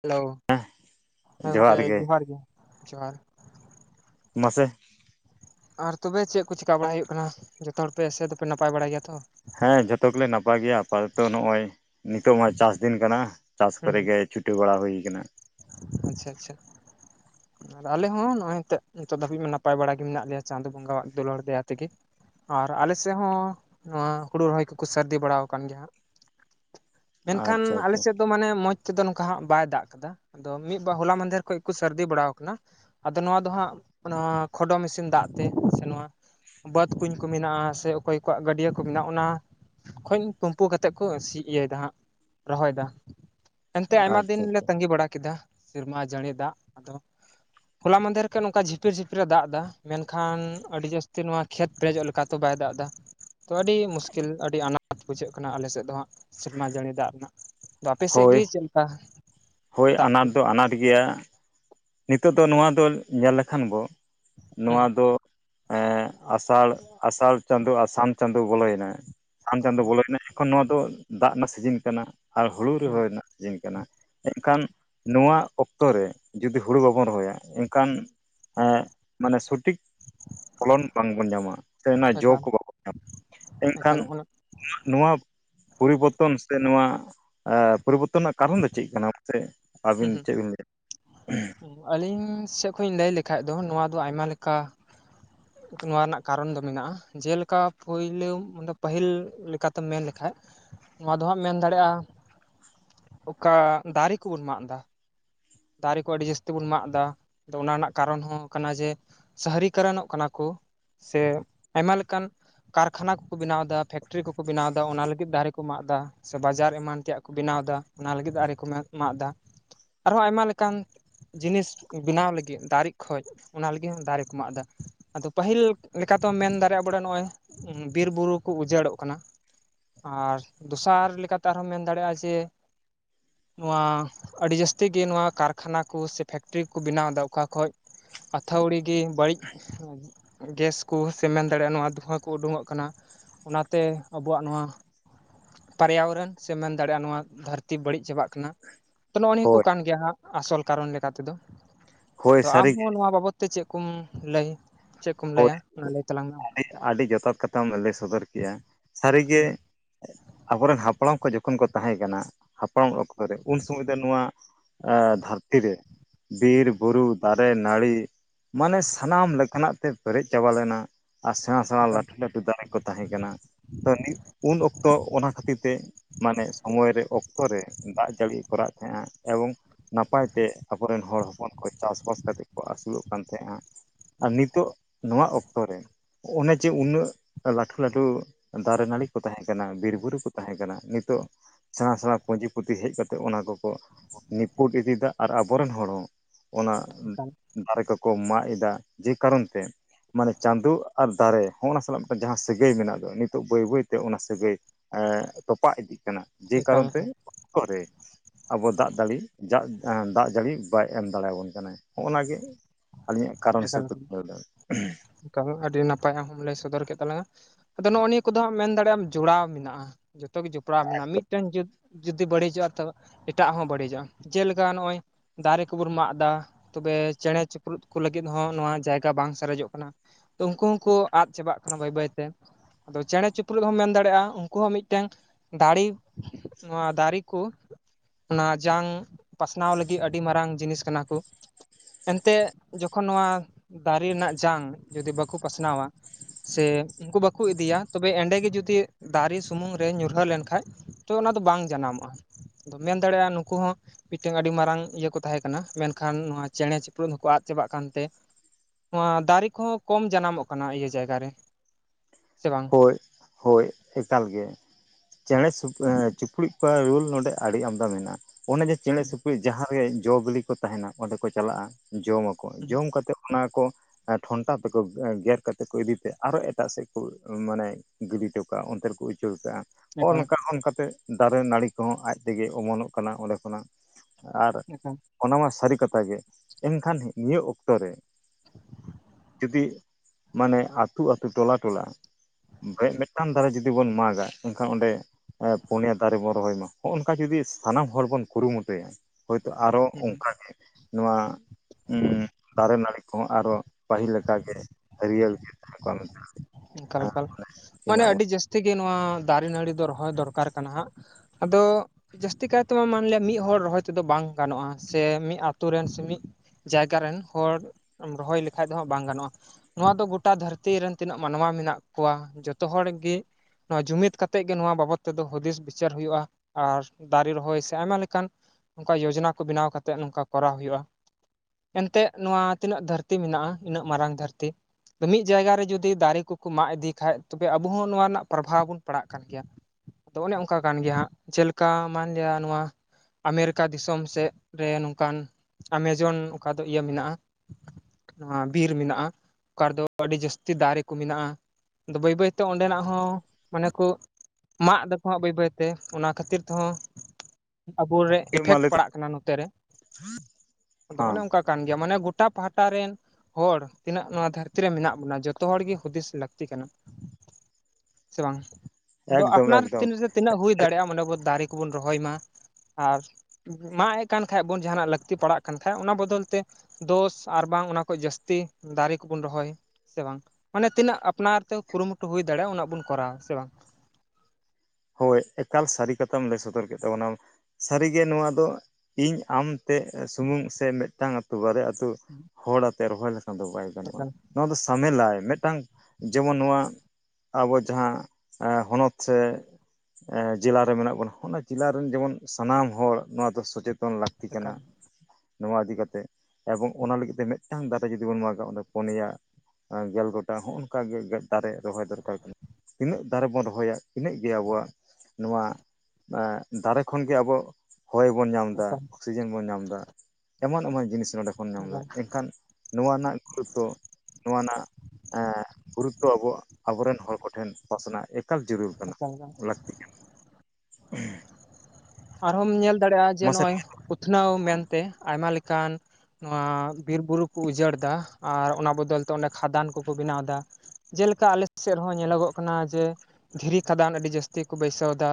Hello! ᱦᱮᱸ ᱜᱚᱝᱠᱮ ᱡᱚᱦᱟᱨ ᱜᱮ, ᱡᱚᱦᱟᱨ ᱾ ᱢᱟᱥᱮ ᱟᱨ ᱛᱚᱵᱮ ᱪᱮᱫ ᱠᱚ ᱪᱮᱠᱟ ᱵᱟᱲᱟᱭ ᱦᱩᱭᱩᱜ ᱠᱟᱱᱟ? ᱡᱚᱛᱚ ᱦᱚᱲᱯᱮ ᱥᱮ ᱫᱚᱯᱮ ᱱᱟᱯᱟᱭ ᱵᱟᱲᱟᱭ ᱜᱮᱭᱟ ᱛᱚ? ᱦᱮᱸ ᱡᱷᱚᱛᱚ ᱜᱮᱞᱮ ᱱᱟᱯᱟᱭ ᱜᱮᱭᱟ ᱟᱯᱟᱛᱚᱛᱚ ᱱᱚᱜᱼᱚᱭ ᱱᱤᱛᱚᱜ ᱢᱟ ᱪᱟᱥ ᱫᱤᱱ ᱠᱟᱱᱟ, ᱪᱟᱥ ᱠᱚᱨᱮ ᱜᱮ ᱪᱷᱩᱴᱟᱹ ᱵᱟᱲᱟ ᱦᱩᱭ ᱠᱟᱱᱟ ᱾ ᱟᱪᱪᱷᱟ ᱟᱪᱪᱷᱟ ᱾ ᱟᱫᱚ ᱟᱞᱮ ᱦᱚᱸ ᱱᱚᱜᱼᱚᱭ ᱛᱮᱫ ᱱᱤᱛᱚᱜ ᱫᱷᱟᱹᱵᱤᱡ ᱢᱟ ᱱᱟᱯᱟᱭ ᱵᱟᱲᱟ ᱜᱮ ᱢᱮᱱᱟᱜ ᱞᱮᱭᱟ ᱪᱟᱸᱫᱚ ᱵᱚᱸᱜᱟᱣᱟᱜ ᱫᱩᱞᱟᱹᱲ ᱫᱮᱭᱟ ᱛᱮᱜᱮ ᱾ ᱟᱨ ᱟᱞᱮ ᱥᱮᱫ ᱦᱚᱸ ᱱᱚᱣᱟ ᱦᱩᱲᱩ ᱨᱚᱦᱚᱭ ᱠᱚᱠᱚ ᱥᱟᱹᱨᱫᱤ ᱵᱟᱲᱟᱣ ᱠᱟᱱ ᱜᱮᱭᱟ ᱦᱟᱸᱜ ᱾ ᱢᱮᱱᱠᱷᱟᱱ ᱟᱪᱪᱷᱟ ᱟᱞᱮ ᱟᱪᱪᱷᱟ ᱥᱮᱫ ᱫᱚ ᱢᱟᱱᱮ ᱢᱚᱡᱽ ᱛᱮᱫᱚ ᱱᱚᱝᱠᱟ ᱦᱟᱸᱜ ᱵᱟᱭ ᱫᱟᱜ ᱠᱟᱫᱟ ᱾ ᱟᱫᱚ ᱢᱤᱫ ᱵᱟᱨ ᱦᱚᱞᱟ ᱢᱟᱫᱷᱮᱨ ᱠᱷᱚᱡ ᱠᱚ ᱥᱟᱹᱨᱫᱤ ᱵᱟᱲᱟᱣ ᱠᱟᱱᱟ ᱾ ᱟᱫᱚ ᱱᱚᱣᱟ ᱫᱚ ᱦᱟᱸᱜ ᱱᱚᱣᱟ ᱠᱷᱚᱰᱚ ᱢᱮᱥᱤᱱ ᱫᱟᱜ ᱛᱮ, ᱥᱮ ᱱᱚᱣᱟ ᱵᱟᱹᱛ ᱠᱩᱧ ᱠᱚ ᱢᱮᱱᱟᱜᱼᱟ ᱥᱮ ᱚᱠᱚᱭ ᱠᱚᱣᱟᱜ ᱜᱟᱹᱰᱭᱟᱹ ᱠᱚ ᱢᱮᱱᱟᱜᱼᱟ ᱚᱱᱟ ᱠᱷᱚᱧ ᱠᱩᱢᱯᱩ ᱠᱟᱛᱮᱫ ᱠᱚ ᱥᱤ ᱤᱭᱟᱹᱭᱮᱫᱟ ᱦᱟᱸᱜ ᱨᱚᱦᱚᱭᱮᱫᱟ ᱾ ᱮᱱᱛᱮ ᱟᱭᱢᱟ ᱫᱤᱱ ᱟᱪᱪᱷᱟ ᱞᱮ ᱟᱪᱪᱷᱟ ᱛᱟᱺᱜᱤ ᱵᱟᱲᱟ ᱠᱮᱫᱟ ᱥᱮᱨᱢᱟ ᱡᱟᱹᱲᱤ ᱫᱟᱜ, ᱟᱫᱚ ᱦᱚᱞᱟ ᱢᱟᱫᱷᱮᱨ ᱠᱷᱚᱱ ᱱᱚᱝᱠᱟ ᱡᱷᱤᱯᱤᱨ ᱡᱷᱤᱯᱤᱨᱮ ᱫᱟᱜ ᱮᱫᱟ ᱢᱮᱱᱠᱷᱟᱱ ᱟᱹᱰᱤ ᱡᱟᱹᱥᱛᱤ ᱱᱚᱣᱟ ᱠᱷᱮᱛ ᱯᱮᱨᱮᱡᱚᱜ ᱞᱮᱠᱟ ᱛᱚ ᱵᱟᱭ ᱫᱟᱜ ᱮᱫᱟ ᱾ ᱛᱚ ᱟᱹᱰᱤ ᱢᱩᱥᱠᱤᱞ ᱟᱹᱰᱤ ᱟᱱᱟᱴ ᱵᱩᱡᱷᱟᱹᱜ ᱠᱟᱱᱟ ᱟᱞᱮ ᱥᱮᱫ ᱫᱚ ᱦᱟᱸᱜ ᱥᱮᱨᱢᱟ ᱡᱟᱹᱲᱤ ᱫᱟᱜ ᱨᱮᱱᱟᱜ ᱾ ᱟᱫᱚ ᱟᱯᱮ ᱥᱮᱫ ᱦᱳᱭ ᱜᱮ ᱪᱮᱫ ᱞᱮᱠᱟ? ᱦᱳᱭ ᱫᱟᱜ ᱠᱚ ᱟᱱᱟᱴ ᱫᱚ ᱟᱱᱟᱴ ᱜᱮᱭᱟ ᱾ ᱱᱤᱛᱚᱜ ᱫᱚ ᱱᱚᱣᱟ ᱫᱚ ᱧᱮᱞ ᱞᱮᱠᱷᱟᱱ ᱵᱚ ᱦᱩᱸ ᱱᱚᱣᱟ ᱫᱚ ᱮᱸ ᱟᱥᱟᱲ ᱟᱥᱟᱲ ᱪᱟᱸᱫᱚ ᱟᱥᱟᱱ ᱪᱟᱸᱫᱚ ᱵᱚᱞᱚᱭᱮᱱᱟ᱾ ᱥᱟᱱ ᱪᱟᱸᱫᱚ ᱮᱠᱟᱞ ᱵᱚᱞᱚᱭᱮᱱᱟ ᱮᱠᱷᱚᱱ ᱱᱚᱣᱟ ᱫᱚ ᱫᱟᱜ ᱱᱟᱜ ᱥᱤᱡᱤᱱ ᱠᱟᱱᱟ ᱟᱨ ᱦᱩᱲᱩ ᱨᱮᱦᱚᱸ ᱦᱩᱸ ᱨᱮᱱᱟᱜ ᱾ ᱡᱤᱱ ᱠᱟᱱᱟ ᱮᱱᱠᱷᱟᱱ ᱱᱚᱣᱟ ᱚᱠᱛᱚ ᱨᱮ ᱡᱩᱫᱤ ᱦᱩᱲᱩ ᱵᱟᱵᱚᱱ ᱨᱚᱦᱚᱭᱟ ᱮᱱᱠᱷᱟᱱ ᱮ ᱢᱟᱱᱮ ᱥᱚᱴᱷᱤᱠ ᱯᱷᱚᱞᱚᱱ ᱵᱟᱝᱵᱚᱱ ᱧᱟᱢᱟ ᱥᱮ ᱚᱱᱟ ᱡᱚ ᱮᱠᱟᱞ ᱠᱚ ᱵᱟᱵᱚᱱ ᱧᱟᱢᱟ, ᱮᱱᱠᱷᱟᱱ ᱮᱠᱟᱞ ᱚᱱᱟ ᱱᱚᱣᱟ ᱯᱚᱨᱤᱵᱚᱨᱛᱚᱱ ᱥᱮ ᱱᱚᱣᱟ ᱟ ᱯᱚᱨᱤᱵᱚᱨᱛᱚᱱ ᱱᱟᱜ ᱠᱟᱨᱚᱱ ᱫᱚ ᱪᱮᱫ ᱠᱟᱱᱟ ᱢᱟᱥᱮ ᱦᱩᱸ ᱟᱹᱵᱤᱱ ᱦᱩᱸ ᱪᱮᱫ ᱵᱤᱱ ᱞᱮᱭᱟ? ᱟᱹᱞᱤᱧ ᱥᱮᱜ ᱠᱷᱚᱡ ᱤᱧ ᱞᱟᱹᱭ ᱞᱮᱠᱷᱴᱷᱟᱡ ᱫᱚ ᱱᱚᱣᱟ ᱫᱚ ᱟᱭᱢᱟ ᱞᱮᱠᱟ ᱱᱚᱣᱟ ᱨᱮᱱᱟᱜ ᱠᱟᱨᱚᱱ ᱫᱚ ᱢᱮᱱᱟᱜᱼᱟ, ᱡᱮᱞᱮᱠᱟ ᱯᱳᱭᱞᱳᱢ ᱚᱸᱰᱮ ᱯᱟᱹᱦᱤᱞ ᱞᱮᱠᱟᱛᱮᱢ ᱢᱮᱱ ᱞᱮᱠᱷᱟᱡ ᱱᱚᱣᱟ ᱫᱚ ᱦᱟᱸᱜ ᱟᱢ ᱢᱮᱱ ᱫᱟᱲᱮᱜᱼᱟ ᱚᱠᱟ ᱫᱟᱨᱮ ᱠᱚᱵᱚᱱ ᱢᱟᱜ ᱮᱫᱟ ᱾ ᱫᱟᱨᱮ ᱠᱚ ᱟᱹᱰᱤ ᱡᱟᱹᱥᱛᱤ ᱵᱚᱱ ᱢᱟᱜ ᱫᱟ ᱛᱚ ᱚᱱᱟ ᱨᱮᱱᱟᱜ ᱠᱟᱨᱚᱱ ᱦᱚᱸ ᱠᱟᱱᱟ ᱡᱮ ᱥᱟᱦᱨᱤ ᱠᱟᱨᱚᱱᱚᱜ ᱠᱟᱱᱟ ᱠᱚ ᱥᱮ ᱟᱭᱢᱟ ᱞᱮᱠᱟᱱ ᱠᱟᱨᱠᱷᱟᱱᱟ ᱠᱚᱠᱚ ᱵᱮᱱᱟᱣ ᱫᱟ ᱾ ᱯᱷᱮᱠᱴᱨᱤ ᱠᱚᱠᱚ ᱵᱮᱱᱟᱣ ᱮᱫᱟ, ᱚᱱᱟ ᱞᱟᱹᱜᱤᱫ ᱫᱟᱨᱮ ᱠᱚ ᱢᱟᱜ ᱫᱟ ᱥᱮ ᱵᱟᱡᱟᱨ ᱮᱢᱟᱱ ᱛᱮᱭᱟᱜ ᱠᱚ ᱵᱮᱱᱟᱣ ᱫᱟ ᱚᱱᱟ ᱞᱟᱹᱜᱤᱫ ᱫᱟᱨᱮ ᱠᱚ ᱢᱟ ᱢᱟᱜ ᱫᱟ ᱾ ᱟᱨᱦᱚᱸ ᱟᱭᱢᱟ ᱞᱮᱠᱟᱱ ᱡᱤᱱᱤᱥ ᱵᱮᱱᱟᱣ ᱞᱟᱹᱜᱤᱫ ᱫᱟᱨᱮ ᱠᱷᱚᱡ ᱾ ᱚᱱᱟ ᱞᱟᱹᱜᱤᱫ ᱦᱚᱸ ᱫᱟᱨᱮ ᱠᱚ ᱢᱟᱜ ᱮᱫᱟ, ᱟᱫᱚ ᱯᱟᱹᱦᱤᱞ ᱞᱮᱠᱟ ᱛᱚ ᱢᱮᱱ ᱫᱟᱲᱮᱭᱟᱜ-ᱟ ᱵᱚᱞᱮ ᱱᱚᱜ-ᱚᱭ ᱵᱤᱨ ᱵᱩᱨᱩ ᱠᱩ ᱩᱡᱟᱹᱲᱚᱜ ᱠᱟᱱᱟ ᱾ ᱟᱨ ᱫᱚᱥᱟᱨ ᱞᱮᱠᱟᱛᱮ ᱟᱨᱦᱚᱸᱢ ᱢᱮᱱ ᱫᱟᱲᱮᱜ-ᱟ ᱡᱮ ᱱᱚᱣᱟ ᱟᱹᱰᱤ ᱡᱟᱹᱥᱛᱤ ᱜᱮ ᱱᱚᱣᱟ ᱠᱟᱨᱠᱷᱟᱱᱟ ᱠᱩ ᱥᱮ ᱯᱷᱮᱠᱴᱨᱤ ᱠᱚ ᱵᱮᱱᱟᱣ ᱮᱫᱟ ᱚᱠᱟ ᱠᱷᱚᱡ ᱟᱛᱷᱟᱹᱣᱲᱤ ᱜᱤ ᱵᱟᱲᱤᱡ ᱜᱮᱥ ᱠᱩ ᱥᱮ ᱢᱮᱱ ᱫᱟᱲᱮᱭᱟᱜ-ᱟ ᱱᱚᱣᱟ ᱫᱷᱩᱸᱣᱟ ᱠᱩ ᱩᱰᱩᱝᱚᱜ ᱠᱟᱱᱟ ᱾ ᱚᱱᱟᱛᱮ ᱟᱵᱚᱣᱟᱜ ᱱᱚᱣᱟ ᱯᱟᱨᱭᱟᱵᱚᱨᱚᱱ ᱥᱮ ᱢᱮᱱ ᱫᱟᱲᱮᱜ-ᱟ ᱱᱚᱣᱟ ᱫᱷᱟᱹᱨᱛᱤ ᱵᱟᱹᱲᱤᱡ ᱪᱟᱵᱟᱜ ᱠᱟᱱᱟ, ᱛᱚ ᱱᱚᱜ-ᱚ ᱱᱤᱭᱟᱹ ᱠᱚ ᱦᱳᱭ ᱠᱟᱱ ᱜᱮᱭᱟ ᱦᱟᱸᱜ ᱟᱥᱚᱞ ᱠᱟᱨᱚᱱ ᱞᱮᱠᱟ ᱛᱮᱫᱚ ᱾ ᱦᱳᱭ ᱟᱫᱚ ᱥᱟᱹᱨᱤᱜᱮ ᱟᱢᱦᱚᱸ ᱱᱚᱣᱟ ᱵᱟᱵᱚᱛ ᱛᱮ ᱪᱮᱫ ᱠᱚᱢ ᱞᱟᱹᱭ ᱪᱮᱫ ᱠᱚᱢ ᱦᱳᱭ ᱞᱟᱹᱭᱟ ᱚᱱᱟ ᱞᱟᱹᱭ ᱛᱟᱞᱟᱝ ᱢᱮ ᱟᱢ ᱟᱹᱰᱤ ᱟᱹᱰᱤ ᱡᱚᱛᱷᱟᱛ ᱠᱟᱛᱷᱟᱢ ᱞᱟᱹᱭ ᱥᱚᱫᱚᱨ ᱠᱮᱜ-ᱟ, ᱥᱟᱹᱨᱤᱜᱮ ᱟᱵᱚᱨᱮᱱ ᱦᱟᱯᱲᱟᱢ ᱠᱚ ᱡᱚᱠᱷᱚᱱ ᱠᱚ ᱛᱟᱦᱮᱸ ᱠᱟᱱᱟ, ᱦᱟᱯᱲᱟᱢ ᱚᱠᱛᱚ ᱨᱮ ᱩᱱ ᱥᱚᱢᱚᱭ ᱫᱚ ᱱᱚᱣᱟ ᱟᱸᱻ ᱫᱷᱟᱹᱨᱛᱤ ᱨᱮ᱾ ᱵᱤᱨ ᱵᱩᱨᱩ ᱫᱟᱨᱮ ᱱᱟᱹᱲᱤ ᱢᱟᱱᱮ ᱥᱟᱱᱟᱢ ᱞᱮᱠᱟᱱᱟᱜ ᱛᱮ ᱯᱮᱨᱮᱡ ᱪᱟᱵᱟ ᱞᱮᱱᱟ ᱟᱨ ᱥᱮᱬᱟ ᱥᱮᱬᱟ ᱮᱠᱟᱞ ᱞᱟᱴᱷᱩ ᱞᱟᱴᱷᱩ ᱫᱟᱨᱮ ᱠᱚ ᱛᱟᱦᱮᱸ ᱠᱟᱱᱟ ᱾ ᱛᱚ ᱱᱤᱛ ᱩᱱ ᱚᱠᱛᱚ ᱚᱱᱟ ᱠᱷᱟᱹᱛᱤᱨ ᱛᱮ᱾ ᱢᱟᱱᱮ ᱥᱚᱢᱚᱭ ᱨᱮ ᱚᱠᱛᱚ ᱨᱮ ᱫᱟᱜ ᱡᱟᱲᱤ ᱠᱚᱨᱟᱣ ᱮᱫ ᱛᱟᱦᱮᱸᱱᱟᱟ ᱮᱵᱚᱝ ᱱᱟᱯᱟᱭ ᱛᱮ ᱟᱵᱚᱨᱮᱱ ᱦᱚᱲ ᱦᱚᱯᱚᱱ ᱠᱚ ᱪᱟᱥ ᱵᱟᱥ ᱠᱟᱛᱮᱜ ᱠᱚ ᱟᱹᱥᱩᱞᱚᱜ ᱠᱟᱱ ᱛᱟᱦᱮᱸᱜ-ᱟ ᱟᱨ ᱱᱤᱛᱚᱜ ᱱᱚᱣᱟ ᱚᱠᱛᱚᱨᱮ, ᱚᱱᱮ ᱡᱮ ᱩᱱᱟᱹᱜ ᱞᱟᱴᱷᱩ ᱞᱟᱴᱷᱩ ᱫᱟᱨᱮ ᱱᱟᱹᱲᱤ ᱠᱚ ᱛᱟᱦᱮᱸ ᱠᱟᱱᱟ, ᱵᱤᱨᱵᱩᱨᱩ ᱠᱚ ᱛᱟᱦᱮᱸ ᱠᱟᱱᱟ ᱱᱤᱛᱚᱜ ᱥᱮᱬᱟ ᱥᱮᱬᱟ ᱯᱩᱸᱡᱤ ᱯᱩᱛᱤ ᱦᱮᱡ ᱠᱟᱛᱮᱫ ᱚᱱᱟ ᱠᱚ ᱠᱚ ᱱᱤᱯᱩᱴ ᱤᱫᱤᱭᱮᱫᱟ ᱟᱨ ᱟᱵᱚᱨᱮᱱ ᱦᱚᱲ ᱦᱚᱸ ᱚᱱᱟ ᱮᱠᱟᱞ ᱫᱟᱨᱮ ᱠᱚᱠᱚ ᱢᱟᱜ ᱮᱫᱟ, ᱡᱮ ᱠᱟᱨᱚᱱ ᱛᱮ ᱢᱟᱱᱮ ᱪᱟᱸᱫᱳ ᱟᱨ ᱫᱟᱨᱮ ᱦᱚᱸᱜ-ᱚᱱᱟ ᱥᱟᱞᱟᱜ ᱡᱟᱦᱟᱸ ᱥᱟᱹᱜᱟᱹᱭ ᱢᱮᱱᱟᱜ ᱫᱚ, ᱱᱤᱛᱚᱜ ᱵᱟᱹᱭ ᱵᱟᱹᱭᱛᱮ ᱚᱱᱟ ᱥᱟᱹᱜᱟᱹᱭ ᱮᱸ ᱛᱚᱯᱟᱜ ᱤᱫᱤᱜ ᱠᱟᱱᱟ, ᱡᱮ ᱮᱠᱟᱞ ᱠᱟᱨᱚᱱ ᱛᱮ ᱚᱠᱛᱚ ᱨᱮ᱾ ᱟᱵᱚ ᱫᱟᱜ ᱫᱟᱲᱤ ᱡᱟᱜ ᱮ ᱫᱟᱜ ᱡᱟᱲᱤ ᱵᱟᱭ ᱮᱢ ᱫᱟᱲᱮᱭᱟᱵᱚᱱ ᱠᱟᱱᱟᱭ, ᱦᱚᱜᱼᱚ ᱱᱟ ᱜᱮ ᱟᱹᱞᱤᱧᱟᱜ ᱠᱟᱨᱚᱱ ᱮᱠᱟᱞ ᱦᱤᱥᱟᱹᱵ [unintelligible] [unintelligible] ᱟᱹᱰᱤ ᱱᱟᱯᱟᱭ ᱟᱢ ᱦᱚᱢ ᱞᱟᱹᱭ ᱥᱚᱫᱚᱨ ᱠᱮᱫ ᱛᱟᱞᱟᱝᱟ ᱾ ᱟᱫᱚ ᱱᱚᱜ-ᱚ ᱱᱤᱭᱟᱹ ᱠᱚᱫᱚ ᱦᱟᱸᱢ ᱢᱮᱱ ᱫᱟᱲᱮᱭᱟᱜ-ᱟᱢ ᱡᱚᱲᱟᱣ ᱢᱮᱱᱟᱜ-ᱟ, ᱡᱚᱛᱚ ᱜᱮ ᱡᱚᱯᱲᱟᱣ ᱢᱮᱱᱟᱜ-ᱟ ᱢᱤᱫᱴᱮᱱ ᱡᱚ ᱡᱩᱫᱤ ᱵᱟᱹᱲᱤᱡᱚᱜ-ᱟ ᱛᱚ ᱮᱴᱟᱜ ᱦᱚᱸ ᱵᱟᱹᱲᱤᱡᱚᱜ-ᱟ, ᱡᱮᱞᱮᱠᱟ ᱱᱚᱜ-ᱚᱭ ᱫᱟᱨᱮ ᱠᱩᱵᱩᱱ ᱢᱟᱜ ᱮᱫᱟ ᱛᱚᱵᱮ ᱪᱮᱬᱮ ᱪᱤᱯᱨᱩᱫ ᱩᱱᱠᱩ ᱞᱟᱹᱜᱤᱫ ᱦᱚᱸ ᱱᱚᱣᱟ ᱡᱟᱭᱜᱟ ᱵᱟᱝ ᱥᱟᱨᱮᱡᱚᱜ ᱠᱟᱱᱟ, ᱛᱚ ᱩᱱᱠᱩ ᱦᱚᱸᱠᱚ ᱟᱫ ᱪᱟᱵᱟᱜ ᱠᱟᱱᱟ ᱵᱟᱹᱭ ᱵᱟᱹᱭ ᱛᱮ ᱾ ᱟᱫᱚ ᱪᱮᱬᱮ ᱪᱤᱯᱨᱩᱫ ᱦᱚᱸᱢ ᱢᱮᱱ ᱫᱟᱲᱮᱜ-ᱟ ᱩᱱᱠᱩ ᱦᱚᱸ ᱢᱤᱫᱴᱮᱱ ᱫᱟᱲᱮ ᱱᱚᱶᱟ ᱫᱟᱨᱤ ᱠᱩ᱾ ᱚᱱᱟ ᱡᱟᱝ ᱯᱟᱥᱱᱟᱣ ᱞᱟᱹᱜᱤᱫ ᱟᱹᱰᱤ ᱢᱟᱨᱟᱝ ᱡᱤᱱᱤᱥ ᱠᱟᱱᱟ ᱠᱩ, ᱮᱱᱛᱮᱜ ᱡᱚᱠᱷᱚᱱ ᱱᱚᱣᱟ ᱫᱟᱨᱮ ᱨᱮᱱᱟᱜ ᱡᱟᱝ ᱡᱩᱫᱤ ᱵᱟᱠᱚ ᱯᱟᱥᱱᱟᱣᱟ᱾ ᱥᱮ ᱩᱱᱠᱩ ᱵᱟᱠᱩ ᱤᱫᱤᱭᱟ ᱛᱚᱵᱮ ᱮᱸᱰᱮ ᱜᱮ ᱡᱩᱫᱤ ᱫᱟᱨᱤ ᱥᱩᱢᱩᱝ ᱨᱮ ᱧᱩᱨᱦᱟᱹ ᱞᱮᱱᱠᱟᱡ ᱛᱚ ᱚᱱᱟ ᱫᱚ ᱵᱟᱝ ᱡᱟᱱᱟᱢᱚᱜ-ᱟ, ᱢᱮᱱ ᱫᱟᱲᱮᱭᱟᱜ-ᱟ ᱱᱩᱠᱩ ᱦᱚᱸ᱾ ᱢᱤᱫᱴᱮᱱ ᱟᱹᱰᱤ ᱢᱟᱨᱟᱝ ᱤᱭᱟᱹ ᱠᱩ ᱛᱟᱦᱮᱸ ᱠᱟᱱᱟ, ᱢᱮᱱᱠᱷᱟᱱ ᱱᱚᱶᱟ ᱪᱮᱬᱮ ᱪᱤᱯᱨᱩᱫ ᱦᱚᱸᱠᱚ ᱟᱫ ᱪᱟᱵᱟᱜ ᱠᱟᱱᱛᱮ ᱱᱚᱶᱟ ᱫᱟᱨᱮ ᱠᱚᱦᱚᱸ ᱠᱚᱢ ᱡᱟᱱᱟᱢᱚᱜ ᱠᱟᱱᱟ ᱤᱭᱟᱹ ᱡᱟᱭᱜᱟ ᱨᱮ, ᱥᱮ ᱵᱟᱝ? ᱦᱳᱭ ᱦᱳᱭ ᱮᱠᱟᱞ ᱜᱮ, ᱪᱮᱬᱮ ᱪᱩᱯ ᱮᱸᱻ ᱪᱩᱯᱲᱩᱡ ᱚᱠᱟ ᱨᱩᱞ ᱱᱚᱰᱮ ᱟᱹᱰᱤ ᱟᱢᱫᱟ ᱢᱮᱱᱟᱜᱼᱟ, ᱚᱱᱮ ᱡᱮ ᱪᱮᱬᱮ ᱦᱩᱸ ᱪᱩᱯᱲᱤᱡ ᱡᱟᱦᱟᱸ ᱨᱮ ᱡᱚ ᱵᱤᱞᱤ ᱠᱚ ᱛᱟᱦᱮᱱᱟ ᱚᱸᱰᱮ ᱠᱚ ᱪᱟᱞᱟᱜᱼᱟ ᱡᱚᱢᱟᱠᱚ ᱦᱩᱸ ᱡᱚᱢ ᱠᱟᱛᱮ ᱚᱱᱟ ᱠᱚ, ᱟᱨ ᱴᱷᱚᱱᱴᱟ ᱛᱮᱠᱚ ᱜᱮᱨ ᱠᱟᱛᱮ ᱠᱚ ᱤᱫᱤ ᱛᱮ ᱟᱨᱚ ᱮᱴᱟᱜ ᱥᱮᱫ ᱠᱩ ᱢᱟᱱᱮ ᱜᱤᱰᱤ ᱦᱚᱴᱚ ᱠᱟᱜᱼᱟ ᱚᱱᱛᱮ ᱨᱮᱠᱚ ᱩᱪᱟᱹᱲ ᱠᱟᱜᱼᱟ᱾ ᱮᱠᱟᱞ ᱚᱱᱠᱟ ᱚᱱᱠᱟ ᱛᱮ ᱫᱟᱨᱮ ᱱᱟᱲᱤ ᱠᱚᱦᱚᱸ ᱟᱡ ᱛᱮᱜᱮ ᱚᱢᱚᱱᱚᱜ ᱠᱟᱱᱟ ᱚᱸᱰᱮ ᱠᱷᱚᱱᱟᱜ᱾ ᱟᱨ [unintelligible] ᱚᱱᱟ ᱢᱟ ᱥᱟᱹᱨᱤ ᱠᱟᱛᱷᱟ᱾ ᱜᱮ ᱮᱱᱠᱷᱟᱱ ᱱᱤᱭᱟᱹ ᱚᱠᱛᱚ ᱨᱮ, ᱡᱩᱫᱤ, ᱢᱟᱱᱮ ᱟᱛᱩ ᱟᱛᱩ ᱴᱚᱞᱟ ᱴᱚᱞᱟ ᱢᱤᱫ ᱢᱤᱫᱴᱟᱝ ᱫᱟᱨᱮ ᱡᱩᱫᱤ ᱵᱚᱱ ᱢᱟᱜᱟ ᱮᱱᱠᱷᱟᱱ ᱚᱸᱰᱮ ᱯᱩᱱᱭᱟ ᱫᱟᱨᱮ ᱵᱚᱱ ᱨᱚᱦᱚᱭ ᱢᱟ᱾ ᱦᱚᱸᱜᱼᱚᱱᱚᱝᱠᱟ ᱡᱩᱫᱤ ᱥᱟᱱᱟᱢ ᱦᱚᱲ ᱵᱚᱱ ᱠᱩᱨᱩᱢᱩᱴᱩᱭᱟ, ᱦᱳᱭᱛᱚ ᱟᱨᱚ ᱦᱩᱸ ᱚᱝᱠᱟᱜᱮ ᱱᱚᱣᱟ ᱫᱟᱨᱮ ᱱᱟᱹᱲᱤ ᱠᱚᱦᱚᱸ ᱟᱨᱚ ᱯᱟᱹᱦᱤᱞ ᱞᱮᱠᱟᱜᱮ ᱦᱟᱹᱨᱭᱟᱹᱲ ᱜᱮ ᱛᱟᱦᱮᱸ ᱠᱚᱜ-ᱟ ᱢᱮᱱᱛᱮ᱾ ᱮᱠᱟᱞ ᱮᱠᱟᱞ ᱢᱟᱱᱮ ᱤᱧᱟᱹᱜ ᱟᱹᱰᱤ ᱢᱚᱛ ᱡᱟᱹᱥᱛᱤ ᱜᱮ ᱱᱚᱣᱟ ᱫᱟᱨᱮ ᱱᱟᱹᱲᱤ ᱫᱚ ᱨᱚᱦᱚᱭ ᱫᱚᱨᱠᱟᱨ ᱠᱟᱱᱟ ᱦᱟᱸᱜ᱾ ᱟᱫᱚ ᱡᱟᱹᱥᱛᱤ ᱠᱟᱭ ᱛᱮᱢᱟ ᱢᱟᱱᱞᱮ ᱢᱤᱫ ᱦᱚᱲ ᱨᱚᱦᱚᱭ ᱛᱮᱫᱚ ᱵᱟᱝ ᱜᱟᱱᱚᱜᱼᱟ ᱥᱮ ᱢᱤᱫ ᱟᱛᱳ ᱨᱮᱱ ᱥᱮ ᱢᱤᱫ ᱡᱟᱭᱜᱟ ᱨᱮᱱ ᱦᱚᱲ ᱮᱢ ᱨᱚᱦᱚᱭ ᱞᱮᱠᱷᱟᱡ ᱫᱚ ᱦᱟᱸᱜ ᱵᱟᱝ ᱜᱟᱱᱚᱜᱼᱟ᱾ ᱱᱚᱣᱟ ᱫᱚ ᱜᱚᱴᱟ ᱫᱷᱟᱹᱨᱛᱤ ᱨᱮᱱ ᱛᱤᱱᱟᱹᱜ ᱢᱟᱱᱣᱟ ᱢᱮᱱᱟᱜ ᱠᱚᱣᱟ, ᱡᱚᱛᱚ ᱦᱚᱲ ᱜᱮ ᱱᱚᱣᱟ ᱡᱩᱢᱤᱫ ᱠᱟᱛᱮᱫ ᱜᱮ ᱱᱚᱣᱟ ᱵᱟᱵᱚᱫ ᱛᱮᱫᱚ ᱦᱩᱫᱤᱥ ᱵᱤᱪᱟᱹᱨ ᱦᱩᱭᱩᱜᱼᱟ᱾ ᱟᱨ ᱫᱟᱨᱤ ᱨᱚᱦᱚᱭ ᱥᱮ ᱟᱭᱢᱟ ᱞᱮᱠᱟᱱ, ᱱᱚᱝᱠᱟ ᱡᱳᱡᱚᱱᱟ ᱠᱚ ᱵᱮᱱᱟᱣ ᱠᱟᱛᱮᱫ ᱱᱚᱝᱠᱟ ᱠᱚᱨᱟᱣ ᱦᱩᱭᱩᱜᱼᱟ᱾ ᱮᱱᱛᱮᱫ ᱱᱚᱣᱟ ᱛᱤᱱᱟᱹᱜ ᱫᱷᱟᱹᱨᱛᱤ ᱢᱮᱱᱟᱜᱼᱟ, ᱤᱱᱟᱹᱜ ᱢᱟᱨᱟᱝ ᱫᱷᱟᱹᱨᱛᱤ ᱢᱤᱫ ᱡᱟᱭᱜᱟ ᱨᱮ ᱡᱩᱫ ᱫᱤ ᱫᱟᱨᱮ ᱠᱩᱠᱩ ᱢᱟᱜ ᱤᱫᱤ ᱠᱷᱟᱡ ᱛᱚᱵᱮ ᱟᱵᱩ ᱦᱚᱸ ᱱᱚᱣᱟ ᱨᱮᱱᱟᱜ ᱯᱨᱚᱵᱷᱟᱵᱽ ᱵᱚᱱ ᱯᱟᱲᱟᱜ ᱠᱟᱱ ᱜᱮᱭᱟ᱾ ᱛᱚ ᱚᱱᱮ ᱚᱱᱠᱟ ᱠᱟᱱ ᱜᱮᱭᱟ ᱦᱟᱸᱜ, ᱪᱮᱫ ᱞᱮᱠᱟ ᱢᱟᱱᱞᱤᱭᱟ ᱱᱚᱣᱟ ᱟᱢᱮᱨᱤᱠᱟ ᱫᱤᱥᱚᱢ ᱥᱮᱫ, ᱨᱮ ᱱᱚᱝᱠᱟᱱ, ᱟᱢᱮᱡᱚᱱ ᱚᱠᱟ ᱫᱚ ᱤᱭᱟᱹ ᱢᱮᱱᱟᱜᱼᱟ᱾ ᱱᱚᱣᱟ ᱵᱤᱨ ᱢᱮᱱᱟᱜᱼᱟ᱾ ᱚᱠᱟ ᱨᱮᱫᱚ ᱟᱹᱰᱤ ᱡᱟᱹᱥ ᱛᱤ ᱫᱟᱨᱮ ᱠᱩ ᱢᱮᱱᱟᱜᱼᱟ᱾ ᱟᱫᱚ ᱵᱟᱹᱭ ᱵᱟᱹᱭᱛᱮ ᱚᱸᱰᱮᱱᱟᱜ ᱦᱚᱸ, ᱢᱟᱱᱮ ᱠᱩ ᱢᱟᱜ ᱮᱫᱟᱠᱚ ᱦᱟᱸᱜ ᱵᱟᱹᱭ ᱵᱟᱹᱭᱛᱮ ᱚᱱᱟ ᱠᱷᱟᱹᱛᱤᱨ ᱛᱮᱦᱚᱸ᱾ ᱟᱵᱚᱨᱮ ᱢᱟ ᱤᱯᱷᱮᱠᱴ ᱞᱟᱹᱭ ᱛᱟᱵᱚᱱ ᱯᱟᱲᱟᱜ ᱱᱚᱛᱮ ᱨᱮ᱾ ᱟᱫᱚ ᱚᱱᱮ ᱦᱮᱸ ᱚᱱᱠᱟ ᱠᱟᱱ ᱜᱮᱭᱟ ᱢᱟᱱᱮ ᱜᱚᱴᱟ ᱯᱟᱦᱴᱟ ᱨᱮᱱ, ᱦᱚᱲ ᱛᱤᱱᱟᱹᱜ ᱱᱚᱣᱟ ᱫᱷᱟᱹᱨᱛᱤ ᱨᱮ ᱢᱮᱱᱟᱜ ᱵᱚᱱᱟ ᱡᱚᱛ ᱛᱚ ᱦᱚᱲ ᱜᱤ ᱦᱩᱫᱤᱥ ᱞᱟᱹᱠᱛᱤ ᱠᱟᱱᱟ᱾ ᱥᱮ ᱵᱟᱝ, ᱟᱫᱚ ᱮᱠᱫᱚᱢ ᱟᱯᱱᱟᱨ ᱮᱠᱫᱚᱢ ᱛᱤᱱᱨᱮ ᱛᱤᱱᱟᱹᱜ ᱦᱩᱭ ᱫᱟᱲᱮᱭᱟᱜᱼᱟ ᱢᱟᱱᱮ ᱟᱵᱩ ᱫᱟᱨᱮ ᱠᱚᱵᱚᱱ ᱨᱚᱦᱚᱭ ᱢᱟ, ᱟᱨ ᱢᱟᱜ-ᱮᱜ ᱠᱟᱱ ᱠᱷᱟᱡ ᱵᱩᱱ ᱡᱟᱸᱦᱟᱱᱟᱜ ᱞᱟᱹᱠᱛᱤ ᱯᱟᱲᱟᱜ ᱠᱟᱱ ᱠᱷᱟ ᱚᱱᱟ ᱵᱚᱫᱚᱞ ᱛᱮ ᱫᱳᱥ ᱟᱨᱵᱟᱝ ᱚᱱᱟ ᱠᱷᱚᱡ ᱡᱟᱹᱥᱛᱤ ᱫᱟᱨᱮ ᱠᱩᱵᱚᱱ ᱨᱚᱦᱚᱭ, ᱥᱮ ᱵᱟᱝ? ᱢᱟᱱᱮ ᱛᱤᱱᱟᱹᱜ ᱟᱯᱱᱟᱨᱛᱮ ᱠᱩᱨᱩᱢᱩᱴᱩ ᱦᱩᱭ ᱫᱟᱲᱮᱜᱼᱟ ᱩᱱᱟᱹᱜ ᱵᱩᱱ ᱠᱚᱨᱟᱣᱟ ᱥᱮ ᱵᱟᱝ? ᱦᱳᱭ, ᱮᱠᱟᱞ ᱥᱟᱹᱨᱤ ᱠᱟᱛᱷᱟᱢ ᱞᱮᱭ ᱥᱚᱫᱚᱨ ᱠᱮᱫ ᱛᱟᱵᱚᱱᱟ᱾ ᱥᱟᱹᱨᱤᱜᱮ ᱱᱚᱣᱟ ᱫᱚ ᱤᱧ ᱟᱢᱛᱮ ᱥᱩᱢᱩᱝ ᱥᱮ ᱢᱤᱫᱴᱟᱝ ᱟᱛᱩ ᱵᱟᱨᱮ ᱟᱛᱩ [unintelligible] ᱸ ᱦᱚᱲ ᱟᱛᱮᱫ ᱨᱚᱦᱚᱭ ᱞᱮᱠᱷᱟᱱ ᱫᱚ ᱵᱟᱭ ᱜᱟᱱᱚᱜᱼᱟ᱾ ᱱᱚᱣᱟ ᱫᱚ ᱥᱟᱢᱮᱞᱟᱭ ᱢᱮᱫᱴᱟᱝ ᱡᱮᱢᱚᱱ ᱱᱚᱣᱟ, ᱟᱵᱚ ᱡᱟᱦᱟ, ᱸ ᱦᱚᱱᱚᱛ ᱥᱮ ᱮ ᱡᱮᱞᱟᱨᱮ ᱢᱮᱱᱟᱜ ᱵᱚᱱᱟ ᱚᱱᱟ ᱡᱤᱞᱟᱨᱮᱱ ᱡᱮᱢᱚᱱ ᱥᱟᱱᱟᱢ ᱦᱚᱲ ᱱᱚᱶᱟ ᱫᱚ ᱥᱚᱪᱮᱛᱚᱱ ᱞᱟᱠᱛᱤ ᱠᱟᱱᱟ᱾ ᱮᱠᱟᱞ ᱱᱚᱣᱟ ᱤᱫᱤ ᱠᱟᱛᱮ, ᱮᱵᱚᱝ ᱚᱱᱟ ᱞᱟᱹᱜᱤᱫ ᱛᱮ ᱢᱤᱫᱴᱟᱝ ᱫᱟᱨᱮ ᱡᱩᱫᱤ ᱵᱚᱱ ᱢᱟᱜᱟ ᱚᱸᱰᱮ ᱯᱚᱱᱭᱟ, ᱜᱮᱞ ᱜᱚᱴᱟᱝ ᱦᱚᱸᱜᱼᱚ ᱱᱚᱝᱠᱟ ᱜᱮ ᱫᱟᱨᱮ ᱨᱚᱦᱚᱭ ᱫᱚᱨᱠᱟᱨ ᱠᱟᱱᱟ᱾ ᱛᱤᱱᱟᱹᱜ ᱫᱟᱨᱮ ᱵᱚᱱ ᱨᱚᱦᱚᱭᱟ ᱛᱤᱱᱟᱹᱜ ᱜᱮ ᱟᱵᱚᱣᱟᱜ, ᱱᱚᱣᱟ ᱫᱟᱨᱮ ᱠᱷᱚᱱ ᱜᱮ ᱟᱵᱚ, ᱦᱚᱭ ᱵᱚᱱ ᱧᱟᱢ ᱮᱫᱟ ᱮᱠᱟᱞ ᱥᱤᱡᱮᱱ ᱵᱚᱱ ᱧᱟᱢᱫᱟ᱾ ᱮᱢᱟᱱ ᱮᱢᱟᱱ ᱡᱤᱱᱤᱥ ᱱᱚᱰᱮ ᱠᱷᱚᱱ ᱧᱟᱢᱫᱟ ᱮᱠᱟᱞ ᱮᱱᱠᱷᱟᱱ, ᱱᱚᱣᱟ ᱨᱮᱱᱟᱜ ᱠᱷᱩᱥ ᱫᱚ ᱱᱚᱣᱟ ᱨᱮᱱᱟᱜ, ᱮ ᱜᱩᱨᱩᱛᱛᱚ ᱟᱵᱚ ᱟᱵᱚᱨᱮᱱ ᱦᱚᱲ ᱠᱚᱴᱷᱮᱱ ᱯᱟᱥᱱᱟᱜ ᱮᱠᱟᱞ ᱡᱟᱹᱨᱩᱲ ᱮᱠᱟᱞ ᱜᱮ ᱞᱟᱹᱠᱛᱤᱜ ᱠᱟᱱ᱾ ᱟᱨᱦᱚᱢ ᱧᱮᱞ ᱫᱟᱲᱮᱜᱼᱟ ᱡᱮ ᱢᱟᱥᱮ ᱱᱚᱜᱼᱚᱭ ᱩᱛᱷᱱᱟᱹᱣ ᱢᱮᱱᱛᱮ ᱟᱭᱢᱟ ᱞᱮᱠᱟᱱ ᱱᱚᱣᱟ ᱵᱤᱨ ᱵᱩᱨᱩ ᱠᱩ ᱩᱡᱟᱹᱲ ᱫᱟ ᱟᱨ ᱚᱱᱟ ᱵᱚᱫᱚᱞ ᱛᱮ ᱚᱸᱰᱮ ᱠᱷᱟᱫᱟᱱ ᱠᱩᱠᱩ ᱵᱮᱱᱟᱣ ᱮᱫᱟ᱾ ᱡᱮᱞᱮᱠᱟ ᱟᱞᱮ ᱥᱮᱫ ᱨᱮᱦᱚᱸ ᱧᱮᱞᱚᱜᱚᱜ ᱠᱟᱱᱟ ᱡᱮ ᱫᱷᱤᱨᱤ ᱠᱷᱟᱫᱟᱱ ᱟᱹᱰᱤ ᱡᱟᱹᱥᱛᱤ ᱠᱚ ᱵᱟᱹᱭᱥᱟᱹᱣ ᱮᱫᱟ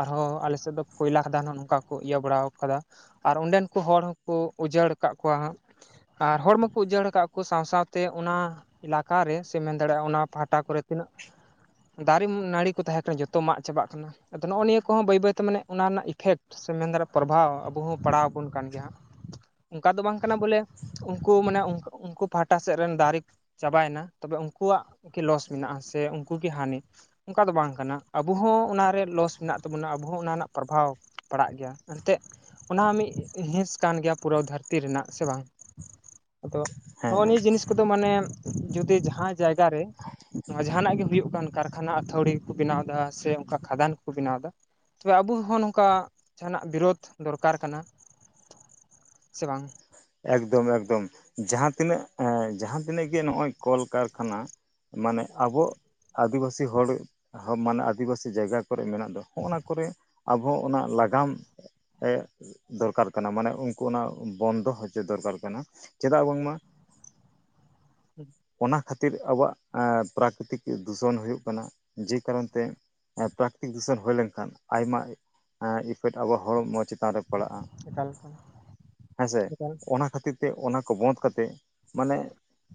ᱟᱨᱦᱚᱸ ᱟᱞᱮᱥᱮᱫ ᱫᱚ ᱠᱚᱭᱞᱟ ᱠᱷᱟᱫᱟᱱ ᱦᱚᱸ ᱱᱚᱝᱠᱟ ᱠᱚ ᱤᱭᱟᱹ ᱵᱟᱲᱟ ᱠᱟᱫᱟ ᱟᱨ ᱚᱸᱰᱮᱱ ᱠᱚ ᱦᱚᱲ ᱦᱚᱸᱠᱚ ᱩᱡᱟᱹᱲ ᱟᱠᱟᱫ ᱠᱚᱣᱟ ᱦᱟᱸᱜ ᱟᱨ ᱦᱚᱲ ᱢᱟᱠᱚ ᱩᱡᱟᱹᱲ ᱟᱠᱟᱫ ᱠᱚ ᱥᱟᱶ ᱥᱟᱶ ᱛᱮ ᱚᱱᱟ ᱮᱞᱟᱠᱟᱨᱮ ᱥᱮ ᱢᱮᱱ ᱫᱟᱲᱮᱭᱟᱜᱼᱟ ᱚᱱᱟ ᱯᱟᱦᱴᱟ ᱠᱚᱨᱮ ᱛᱤᱱᱟᱹᱜ ᱫᱟᱨᱮ ᱱᱟᱹᱲᱤ ᱠᱚ ᱛᱟᱦᱮᱸ ᱠᱟᱱᱟ ᱡᱚᱛᱚ ᱢᱟᱜ ᱪᱟᱵᱟᱜ ᱠᱟᱱᱟ ᱟᱫᱚ ᱱᱚᱜᱼᱚ ᱱᱤᱭᱟᱹ ᱠᱚᱦᱚᱸ ᱵᱟᱹᱭ ᱵᱟᱹᱭᱛᱮ ᱢᱟᱱᱮ ᱚᱱᱟ ᱨᱮᱱᱟᱜ ᱤᱯᱷᱮᱠᱴ ᱥᱮ ᱢᱮᱱ ᱫᱟᱲᱮᱭᱟᱜᱼᱟ ᱯᱨᱚᱵᱷᱟᱵᱽ ᱟᱵᱚ ᱦᱚᱸ ᱯᱟᱲᱟᱣ ᱟᱵᱚᱱ ᱠᱟᱱ ᱜᱮᱭᱟ ᱦᱟᱜ ᱚᱱᱠᱟ ᱫᱚ ᱵᱟᱝ ᱠᱟᱱᱟ ᱵᱚᱞᱮ ᱩᱱᱠᱩ ᱢᱟᱱᱮ ᱩᱱᱠᱩ ᱯᱟᱦᱴᱟ ᱥᱮᱱ ᱨᱮᱱ ᱫᱟᱨᱮ ᱪᱟᱵᱟᱭᱮᱱᱟ ᱛᱚᱵᱮ ᱩᱱᱠᱩᱣᱟᱜ ᱜᱮ ᱞᱚᱥ ᱢᱮᱱᱟᱜᱼᱟ ᱥᱮ ᱩᱱᱠᱩᱜᱤ ᱦᱟᱹᱱᱤ ᱚᱱᱠᱟ ᱫᱚ ᱵᱟᱝ ᱠᱟᱱᱟ ᱟᱵᱚ ᱦᱚᱸ ᱚᱱᱟᱨᱮ ᱞᱚᱥ ᱢᱮᱱᱟᱜ ᱛᱟᱵᱚᱱᱟ ᱟᱵᱚ ᱦᱚᱸ ᱚᱱᱟ ᱨᱮᱱᱟᱜ ᱯᱨᱚᱵᱷᱟᱵᱽ ᱯᱟᱲᱟᱜ ᱜᱮᱭᱟ ᱮᱱᱛᱮ ᱚᱱᱟ ᱦᱚᱸ ᱢᱤᱫ ᱦᱤᱸᱥ ᱠᱟᱱ ᱜᱮᱭᱟ ᱯᱩᱨᱟᱹ ᱫᱷᱟᱹᱨᱛᱤ ᱨᱮᱱᱟᱜ ᱥᱮ ᱵᱟᱝ ᱟᱫᱚ ᱦᱮᱸ ᱱᱚᱜᱼᱚ ᱦᱮᱸ ᱱᱤᱭᱟᱹ ᱡᱤᱱᱤᱥ ᱠᱚ ᱫᱚ ᱢᱟᱱᱮ ᱡᱩᱫᱤ ᱡᱟᱦᱟᱱ ᱡᱟᱭᱜᱟ ᱨᱮ ᱱᱚᱣᱟ ᱡᱟᱦᱟᱸᱱᱟᱜ ᱜᱮ ᱦᱩᱭᱩᱜ ᱠᱟᱱ ᱠᱟᱨᱠᱷᱟᱱᱟ ᱛᱷᱲᱤ ᱠᱚ ᱵᱮᱱᱟᱣ ᱮᱫᱟ ᱥᱮ ᱚᱱᱠᱟ ᱠᱷᱟᱫᱟᱱ ᱠᱚᱠᱚ ᱵᱮᱱᱟᱣ ᱮᱫᱟ ᱛᱚᱵᱮ ᱟᱵᱚ ᱦᱚᱸ ᱱᱚᱝᱠᱟ ᱡᱟᱦᱟᱱᱟᱜ ᱵᱤᱨᱳᱫᱷ ᱫᱚᱨᱠᱟᱨ ᱠᱟᱱᱟ ᱥᱮ ᱵᱟᱝ ᱮᱠᱫᱚᱢ ᱮᱠᱫᱚᱢ ᱡᱟᱦᱟᱸ ᱛᱤᱱᱟᱹᱜ ᱡᱟᱦᱟᱸᱛᱤᱱᱟᱹᱜ ᱜᱮ ᱱᱚᱜᱼᱚᱭ ᱠᱚᱞᱠᱟᱨᱠᱷᱟᱱᱟ ᱢᱟᱱᱮ ᱟᱵᱚ ᱟᱹᱫᱤᱵᱟᱹᱥᱤ ᱦᱚᱲ ᱢᱟᱱᱮ ᱟᱹᱫᱤᱵᱟᱹᱥᱤ ᱡᱟᱭᱜᱟ ᱠᱚᱨᱮ ᱢᱮᱱᱟᱜ ᱫᱚ ᱦᱚᱸᱜᱼᱱᱟ ᱠᱚᱨᱮ ᱟᱵᱚ ᱚᱱᱟ ᱞᱟᱜᱟᱢ ᱮ ᱫᱚᱨᱠᱟᱨ ᱠᱟᱱᱟ ᱢᱟᱱᱮ ᱩᱱᱠᱩ ᱚᱱᱟ ᱵᱚᱱᱫᱚ ᱦᱚᱪᱚ ᱫᱚᱨᱠᱟᱨ ᱠᱟᱱᱟ ᱪᱮᱫᱟᱜ ᱵᱟᱝᱢᱟ ᱚᱱᱟ ᱠᱦᱟᱛᱤᱨ ᱟᱵᱚᱣᱟᱜ ᱯᱨᱟᱠᱨᱤᱛᱤᱠ ᱫᱩᱥᱚᱱ ᱦᱩᱭᱩᱜ ᱠᱟᱱᱟ ᱡᱮ ᱠᱟᱨᱚᱱ ᱛᱮ ᱯᱨᱟᱠᱨᱤᱛᱤᱠ ᱫᱩᱥᱚᱱ ᱦᱩᱭ ᱞᱮᱱᱠᱷᱟᱱ ᱟᱭᱢᱟ ᱤᱯᱷᱮᱠᱴ ᱟᱵᱚᱣᱟᱜ ᱦᱚᱲᱢᱚ ᱪᱮᱛᱟᱱ ᱨᱮ ᱯᱟᱲᱟᱜᱼᱟ ᱮᱠᱟᱞ ᱠᱷᱚᱱ ᱦᱮᱸᱥᱮ ᱮᱠᱟᱞ ᱚᱱᱟ ᱠᱷᱟᱹᱛᱤᱨ ᱛᱮ ᱚᱱᱟ ᱠᱚ ᱵᱚᱱᱫᱽ ᱠᱟᱛᱮᱜ ᱢᱟᱱᱮ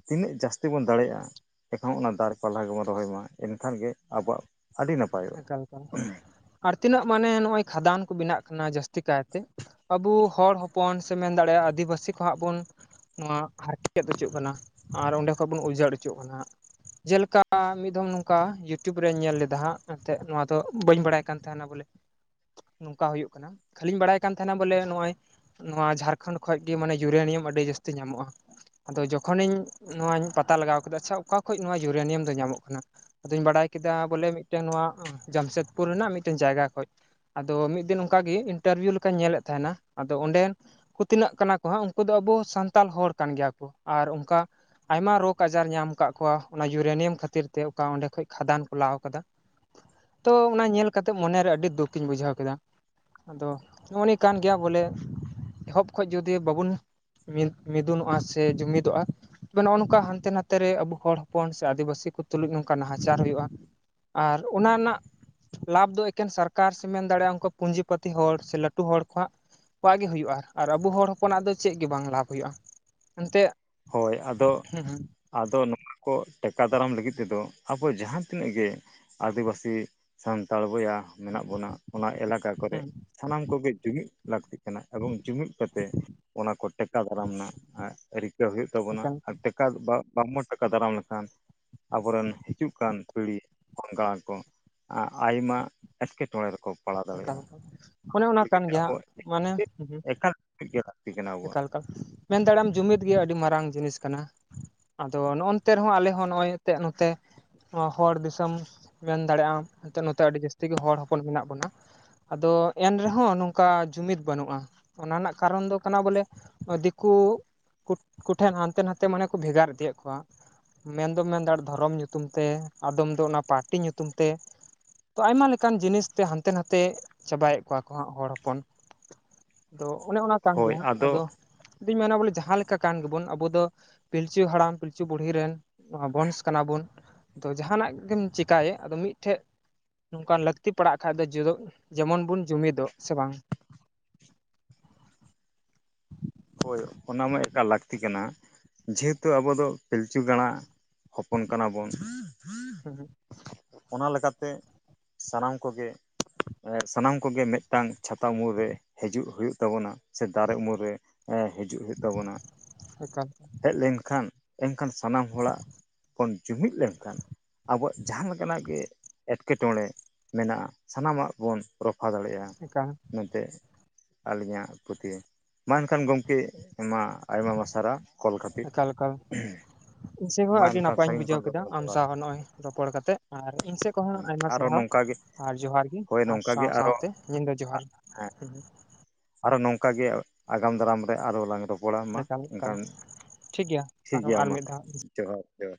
ᱛᱤᱱᱟᱹᱜ ᱡᱟᱹᱥᱛᱤ ᱵᱚᱱ ᱫᱟᱲᱮᱭᱟᱜᱼᱟ ᱮᱱᱠᱷᱚᱱ ᱚᱱᱟ ᱫᱟᱨᱮ ᱯᱟᱞᱟ ᱜᱮᱵᱚᱱ ᱨᱚᱦᱚᱭ ᱢᱟ ᱮᱱᱠᱷᱟᱱ ᱜᱮ ᱟᱵᱚᱣᱟᱜ ᱟᱹᱰᱤ ᱱᱟᱯᱟᱭᱚᱜᱼᱟ᱾ ᱮᱠᱟᱞ ᱮᱠᱟᱞ ᱟᱨ ᱛᱤᱱᱟᱹᱜ ᱢᱟᱱᱮ ᱱᱚᱜᱼᱚᱭ ᱠᱷᱟᱫᱟᱱ ᱠᱚ ᱵᱮᱱᱟᱜ ᱠᱟᱱᱟ ᱡᱟᱹᱥᱛᱤ ᱠᱟᱭᱛᱮ ᱟᱵᱚ ᱦᱚᱲ ᱯᱚᱱ ᱥᱮ ᱢᱮᱱ ᱫᱟᱲᱮᱭᱟᱜᱼᱟ ᱟᱹᱫᱤᱵᱟᱹᱥᱤ ᱠᱚᱦᱟᱸ ᱵᱚᱱ ᱱᱚᱣᱟ ᱦᱟᱨᱠᱮᱛ ᱦᱚᱪᱚᱜ ᱠᱟᱱᱟ ᱟᱨ ᱚᱸᱰᱮ ᱠᱷᱚᱱ ᱵᱚᱱ ᱩᱡᱟᱹᱲ ᱦᱚᱪᱚᱜ ᱠᱟᱱᱟ ᱡᱮᱞᱮᱠᱟ ᱢᱤᱫ ᱫᱚᱢ ᱱᱚᱝᱠᱟ ᱤᱭᱩᱴᱩᱵᱽ ᱨᱮᱧ ᱧᱮᱞ ᱞᱮᱫᱟ ᱦᱟᱸᱜ ᱮᱱᱛᱮᱫ ᱱᱚᱣᱟ ᱫᱚ ᱵᱟᱹᱧ ᱵᱟᱲᱟᱭ ᱠᱟᱱ ᱛᱟᱦᱮᱸᱱᱟ ᱵᱚᱞᱮ ᱱᱚᱝᱠᱟ ᱦᱩᱭᱩᱜ ᱠᱟᱱᱟ ᱠᱷᱟᱹᱞᱤᱧ ᱵᱟᱲᱟᱭ ᱠᱟᱱ ᱛᱟᱦᱮᱸᱱᱟ ᱵᱚᱞᱮ ᱱᱚᱜᱼᱚᱭ ᱱᱚᱣᱟ ᱡᱷᱟᱲᱠᱷᱚᱸᱰ ᱠᱷᱚᱱ ᱜᱮ ᱢᱟᱱᱮ ᱤᱭᱩᱨᱮᱱᱤᱭᱟᱢ ᱟᱹᱰᱤ ᱡᱟᱹᱥᱛᱤ ᱧᱟᱢᱚᱜᱼᱟ ᱟᱫᱚ ᱡᱚᱠᱷᱚᱱᱤᱧ ᱱᱚᱣᱟᱧ ᱯᱟᱛᱟ ᱞᱟᱜᱟᱣ ᱠᱮᱫᱟ ᱟᱪᱦᱟ ᱚᱠᱟ ᱠᱷᱚᱱ ᱱᱚᱣᱟ ᱤᱭᱩᱨᱮᱱᱤᱭᱟᱢ ᱫᱚ ᱧᱟᱢᱚᱜ ᱠᱟᱱᱟ? ᱟᱫᱚᱧ ᱵᱟᱲᱟᱭ ᱠᱮᱫᱟ ᱵᱚᱞᱮ ᱢᱤᱫᱴᱮᱱ ᱱᱚᱣᱟ ᱡᱟᱢᱥᱮᱫᱽᱯᱩᱨ ᱨᱮᱱᱟᱜ ᱢᱤᱫᱴᱮᱱ ᱡᱟᱭᱜᱟ ᱠᱷᱚᱡ ᱟᱫᱚ ᱢᱤᱫ ᱫᱤᱱ ᱚᱱᱠᱟᱜᱮ ᱤᱱᱴᱟᱨᱵᱷᱤᱭᱩ ᱞᱮᱠᱟᱧ ᱧᱮᱞᱮᱫ ᱛᱟᱦᱮᱸᱱᱟ ᱟᱫᱚ ᱚᱸᱰᱮᱱ ᱠᱚ ᱛᱤᱱᱟᱹᱜ ᱠᱟᱱᱟ ᱠᱚ ᱦᱟᱸᱜ ᱩᱱᱠᱩ ᱫᱚ ᱟᱵᱚ ᱥᱟᱱᱛᱟᱲ ᱦᱚᱲ ᱠᱟᱱ ᱜᱮᱭᱟ ᱠᱚ ᱟᱨ ᱚᱱᱠᱟ ᱟᱭᱢᱟ ᱨᱳᱜᱽ ᱟᱡᱟᱨ ᱧᱟᱢ ᱟᱠᱟᱫ ᱠᱚᱣᱟ ᱚᱱᱟ ᱤᱭᱩᱨᱮᱱᱤᱭᱟᱢ ᱠᱷᱟᱹᱛᱤᱨ ᱛᱮ ᱚᱸᱰᱮ ᱠᱷᱚᱡ ᱠᱷᱟᱫᱟᱱ ᱠᱚ ᱞᱟᱣ ᱟᱠᱟᱫᱟ ᱛᱚ ᱚᱱᱟ ᱧᱮᱞ ᱠᱟᱛᱮᱜ ᱢᱚᱱᱮᱨᱮ ᱟᱹᱰᱤ ᱫᱩᱠ ᱤᱧ ᱵᱩᱡᱷᱟᱹᱣ ᱠᱮᱫᱟ᱾ ᱟᱫᱚ ᱩᱱᱤ ᱠᱟᱱ ᱜᱮᱭᱟ ᱵᱚᱞᱮ ᱮᱦᱚᱵ ᱠᱷᱚᱱ ᱡᱩᱫᱤ ᱵᱟᱵᱚᱱ ᱢᱤ ᱢᱤᱫᱩᱱᱚᱜᱼᱟ ᱥᱮ ᱡᱩᱢᱤᱫᱚᱜᱼᱟ ᱱᱚᱜᱼᱚ ᱱᱚᱝᱠᱟ ᱦᱟᱱᱛᱮ ᱱᱟᱛᱮ ᱨᱮ ᱟᱵᱚ ᱦᱚᱲ ᱦᱚᱯᱚᱱ ᱥᱮ ᱟᱹᱫᱤᱵᱟᱹᱥᱤ ᱠᱚ ᱛᱩᱞᱩᱡ ᱱᱚᱝᱠᱟ ᱱᱟᱦᱟᱪᱟᱨ ᱦᱩᱭᱩᱜᱼᱟ ᱟᱨ ᱚᱱᱟ ᱱᱟᱜ ᱞᱟᱵᱷ ᱫᱚ ᱮᱠᱦᱮᱱ ᱥᱚᱨᱠᱟᱨ ᱥᱮ ᱢᱮᱱ ᱫᱟᱲᱮᱭᱟᱜᱼᱟ ᱩᱱᱠᱩ ᱯᱩᱸᱡᱤ ᱯᱟᱹᱛᱤ ᱦᱚᱲ ᱥᱮ ᱞᱟᱹᱴᱩ ᱦᱚᱲ ᱠᱚᱣᱟᱜ ᱾ ᱩᱱᱠᱩᱼᱟᱜ ᱜᱮ ᱦᱩᱭᱩᱜᱼᱟ ᱟᱨ ᱟᱵᱚ ᱦᱚᱲ ᱦᱚᱯᱚᱱᱟᱜ ᱫᱚ ᱪᱮᱫ ᱜᱮ ᱵᱟᱝ ᱞᱟᱵᱷ ᱦᱩᱭᱩᱜᱼᱟ᱾ ᱮᱱᱛᱮᱫᱼᱼ ᱦᱳᱭ ᱟᱫᱚ ᱟᱫᱚ ᱱᱚᱣᱟ ᱠᱚ ᱴᱮᱠᱟᱣ ᱫᱟᱨᱟᱢ ᱞᱟᱹᱜᱤᱫ ᱛᱮᱫᱚ ᱟᱵᱚ ᱡᱟᱦᱟᱸ ᱛᱤᱱᱟᱹᱜ ᱜᱮᱼᱼ ᱟᱹᱫᱤᱵᱟᱹᱥᱤ ᱥᱟᱱᱛᱟᱲ ᱵᱚᱭᱦᱟ ᱢᱮᱱᱟᱜ ᱵᱚᱱᱟ ᱚᱱᱟ ᱮᱞᱟᱠᱟ ᱠᱚᱨᱮᱼᱼ ᱦᱩᱸ ᱥᱟᱱᱟᱢ ᱠᱚᱜᱮ ᱡᱩᱢᱤᱫ ᱞᱟᱹᱠᱛᱤᱜ ᱠᱟᱱᱟ ᱮᱵᱚᱝ ᱡᱩᱢᱤᱫ ᱠᱟᱛᱮᱼᱼ ᱚᱱᱟ ᱠᱚ ᱴᱮᱠᱟᱣ ᱫᱟᱨᱟᱢ ᱮᱱᱟ ᱮᱸ ᱨᱤᱠᱟᱹ ᱦᱩᱭᱩᱜ ᱛᱟᱵᱚᱱᱟ ᱮᱠᱟᱞ ᱟᱨ ᱴᱮᱼᱼ [inaudible] ᱵᱟᱝ ᱵᱚᱱ ᱴᱮᱠᱟᱣ ᱫᱟᱨᱟᱢ ᱞᱮᱠᱷᱟᱱᱼᱼ ᱟᱵᱚᱨᱮᱱ ᱦᱤᱡᱩᱜ ᱠᱟᱱ ᱯᱤᱲᱦᱤ ᱯᱝᱜᱲᱟ ᱠᱚᱼᱼ ᱟ ᱟᱭᱢᱟ ᱮᱸᱴᱠᱮᱴᱚᱸᱬᱮ ᱨᱮᱠᱚᱼᱼ ᱯᱟᱲᱟᱣ ᱮᱠᱟᱞ ᱫᱟᱲᱮᱭᱟᱜᱼᱟ ᱚᱱᱮ ᱚᱱᱟ ᱠᱷᱟᱹᱛᱤᱨ ᱠᱟᱱ ᱛᱮ ᱜᱮᱭᱟ ᱟᱵᱚ ᱢᱟᱱᱮ ᱦᱩᱸ ᱮᱠᱟᱞ ᱞᱟᱹᱠᱛᱤ ᱠᱟᱱᱟ ᱟᱵᱚᱣᱟᱜ᱾ ᱮᱠᱟᱞ ᱢᱮᱱ ᱫᱟᱲᱮᱭᱟᱜᱼᱟᱢ ᱡᱩᱢᱤᱫ ᱜᱮ ᱟᱹᱰᱤ ᱢᱟᱨᱟᱝ ᱡᱤᱱᱤᱥ ᱠᱟᱱᱟ᱾ ᱟᱫᱚ ᱱᱚᱸᱜᱼᱚᱱᱛᱮ ᱨᱮᱦᱚᱸ ᱟᱞᱮ ᱦᱚᱸ ᱱᱚᱸᱜᱼᱚᱭ ᱮᱱᱛᱜ ᱱᱚᱛᱮ ᱱᱚᱣᱟ ᱦᱚᱲ ᱫᱤᱥᱚᱢ ᱢᱮᱱ ᱫᱟᱲᱮᱜ ᱟᱢ ᱱᱚᱛᱮ ᱟᱹᱰᱤ ᱡᱟᱹᱥᱛᱤ ᱜᱮ ᱦᱚᱲ ᱦᱚᱯᱚᱱ ᱢᱮᱱᱟᱜ ᱵᱚᱱᱟ᱾ ᱟᱫᱚ ᱮᱱ ᱨᱮᱦᱚᱸ ᱱᱚᱝᱠᱟ ᱡᱩᱢᱤᱫ ᱵᱟᱹᱱᱩᱜᱼᱟ ᱚᱱᱟ ᱨᱮᱱᱟᱜ ᱠᱟᱨᱚᱱ ᱫᱚᱼᱼ ᱠᱟᱱᱟ ᱵᱚᱞᱮ ᱫᱤᱠᱩ ᱠᱚ ᱴᱷᱮᱱ ᱦᱟᱱᱛᱮ ᱱᱟᱛᱮ ᱢᱟᱱᱮ ᱠᱚ ᱵᱷᱮᱜᱟᱨ ᱤᱫᱤᱭᱼᱮᱫ ᱠᱚᱣᱟ᱾ ᱢᱮᱱ ᱫᱚᱢ ᱢᱮᱱᱫᱟ ᱫᱷᱚᱨᱚᱢ ᱧᱩᱛᱩᱢ ᱛᱮ ᱟᱫᱚᱢ ᱫᱚ ᱚᱱᱟ ᱯᱟᱴᱤ ᱧᱩᱛᱩᱢ ᱛᱮᱼᱼ ᱛᱚ ᱟᱭᱢᱟ ᱞᱮᱠᱟᱱ ᱡᱤᱱᱤᱥᱛᱮ ᱦᱟᱱᱛᱮ ᱱᱟᱛᱮ ᱪᱟᱵᱟᱭᱮᱫ ᱠᱚᱣᱟ ᱠᱚ ᱦᱚᱲ ᱦᱚᱯᱚᱱ᱾ ᱟᱫᱚ ᱚᱱᱮ ᱚᱱᱟ ᱠᱟᱱ ᱜᱮ ᱦᱳᱭ ᱦᱟᱸᱜ ᱟᱫᱚ ᱟᱫᱚᱼᱼ ᱟᱫᱩᱧ ᱢᱮᱱᱟ ᱵᱚᱞᱮ ᱡᱟᱦᱟᱸ ᱞᱮᱠᱟ ᱠᱟᱱ ᱜᱮᱵᱚᱱ ᱟᱵᱚ ᱫᱚ ᱯᱤᱞᱪᱩ ᱦᱟᱲᱟᱢ ᱯᱤᱞᱪᱩ ᱵᱩᱲᱦᱤ ᱨᱮᱱᱼᱼ ᱵᱚᱱᱥ ᱠᱟᱱᱟ ᱵᱚᱱ ᱟᱫᱚ ᱡᱟᱦᱟᱸᱱᱼᱟᱜ ᱜᱮᱢ ᱪᱮᱠᱟᱭ ᱟᱫᱚ ᱢᱤᱫᱴᱷᱮᱡᱼᱼ ᱱᱚᱝᱠᱟᱱ ᱞᱟᱹᱠᱛᱤ ᱯᱟᱲᱟᱜ ᱠᱷᱟᱡ ᱫᱚ ᱡᱮᱢᱚᱱ ᱵᱚᱱ ᱡᱩᱢᱤᱫᱼᱚᱜ ᱥᱮ ᱵᱟᱝ᱾ ᱦᱳᱭ ᱚᱱᱟᱢᱟ ᱮᱠᱟᱞ ᱞᱟᱹᱠᱛᱤ ᱠᱟᱱᱟ ᱡᱮᱦᱮᱛᱩ ᱟᱵᱚ ᱫᱚ ᱯᱤᱞᱪᱩ ᱜᱟᱲᱟᱼᱼ ᱦᱚᱯᱚᱱ ᱠᱟᱱᱟ ᱵᱚᱱᱼᱼ ᱦᱩᱸ ᱦᱩᱸ ᱚᱱᱟ ᱞᱮᱠᱟᱛᱮ ᱥᱟᱱᱟᱢ ᱠᱚᱜᱮᱼᱼ ᱥᱟᱱᱟᱢ ᱠᱚᱜᱮ ᱢᱤᱫᱴᱟᱝ ᱪᱷᱟᱛᱟ ᱩᱢᱩᱞ ᱨᱮ ᱦᱤᱡᱩᱜ ᱦᱩᱭᱩᱜ ᱛᱟᱵᱚᱱᱟ ᱥᱮ ᱫᱟᱨᱮ ᱩᱢᱩᱞ ᱨᱮᱼᱼ ᱮ ᱦᱤᱡᱩᱜ ᱦᱩᱭᱩᱜ ᱛᱟᱵᱚᱱᱟ ᱮᱠᱟᱞ ᱦᱮᱡ ᱞᱮᱱ ᱠᱷᱟᱱᱼᱼ ᱮᱱᱠᱷᱟᱱ ᱥᱟᱱᱟᱢ ᱦᱚᱲᱟᱜ ᱵᱚᱱ ᱡᱩᱢᱤᱫ ᱞᱮᱱᱠᱷᱟᱱ ᱟᱵᱚᱣᱟᱜ ᱡᱟᱦᱟᱸ ᱞᱮᱠᱟᱱᱼᱟᱜ ᱜᱮᱼᱼ ᱮᱸᱴᱠᱮᱴᱚᱸᱬᱮ ᱢᱮᱱᱟᱜᱼᱟ ᱥᱟᱱᱟᱢᱼᱟᱜ ᱵᱚᱱ ᱨᱚᱯᱷᱟ ᱫᱟᱲᱮᱭᱟᱜᱼᱟ᱾ ᱮᱠᱟᱞ᱾ ᱢᱮᱱᱛᱮ ᱟᱹᱞᱤᱧᱼᱟᱜ ᱯᱟᱹᱛᱭᱟᱹᱣ᱾ ᱢᱟ ᱮᱱᱠᱷᱟᱱ ᱜᱚᱢᱠᱮ ᱢᱟ ᱟᱭᱢᱟ ᱟᱭᱢᱟ ᱥᱟᱨᱦᱟᱣ ᱠᱚᱞ ᱠᱷᱟᱹᱛᱤᱨ᱾ ᱮᱠᱟᱞ ᱮᱠᱟᱞ ᱤᱧ ᱥᱮᱫ ᱦᱚᱸ ᱢᱟ ᱟᱹᱰᱤ ᱮᱱᱠᱷᱟᱱ ᱱᱟᱯᱟᱭᱤᱧ ᱥᱟᱺᱜᱤᱧ ᱠᱷᱚᱱ ᱵᱩᱡᱷᱟᱹᱣ ᱜᱮ ᱠᱮᱫᱟ ᱟᱢ ᱡᱚᱦᱟᱨ ᱥᱟᱶᱟᱦ ᱦᱚᱸ ᱱᱚᱸᱜᱼᱚᱭ ᱨᱚᱯᱚᱲ ᱠᱟᱛᱮᱫ ᱟᱨ ᱤᱧ ᱥᱮᱫ ᱠᱷᱚᱡ ᱦᱚᱸ ᱟᱭᱢᱟ ᱟᱨᱚ ᱥᱟᱨᱦᱟᱣ᱾ ᱱᱚᱝᱠᱟ ᱜᱮ ᱟᱨ ᱡᱚᱦᱟᱨ ᱜᱮ ᱦᱳᱭ ᱟᱨ ᱱᱚᱝᱠᱟ ᱜᱮ ᱥᱟᱶ ᱟᱨᱚ ᱥᱟᱶᱛᱮ ᱧᱤᱫᱟᱹ ᱡᱚᱦᱟᱨ᱾ ᱦᱮᱸ ᱟᱨᱚ ᱱᱚᱝᱠᱟ ᱜᱮ ᱟᱜᱟᱢ ᱫᱟᱨᱟᱢ ᱨᱮ ᱟᱨᱚ ᱞᱟᱝ ᱨᱚᱯᱼᱼ ᱢᱟ ᱮᱠᱟᱞ ᱮᱠᱟᱞ ᱮᱱᱠᱷᱟᱱ ᱴᱷᱤᱠ ᱜᱮᱭᱟ ᱴᱷᱤᱠ ᱟᱨᱦᱚᱸ ᱜᱮᱭᱟ ᱟᱨ ᱢᱟ ᱢᱤᱫ ᱫᱷᱟᱣ ᱡᱚᱦᱟᱨ ᱡᱚᱦᱟᱨ᱾